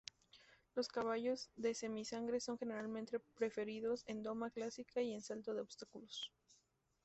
Los caballos demi-sangre son generalmente preferidos en doma clásica y en salto de obstáculos.